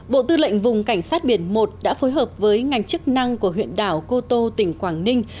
bộ tư lệnh vùng cảnh sát biển một đã phối hợp với ngành chức năng của huyện đảo cô tô tỉnh quảng ninh